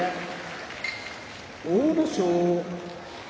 阿武咲